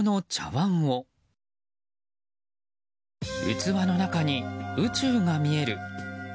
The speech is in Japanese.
器の中に宇宙が見える。